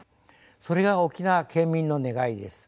それが沖縄県民の願いです。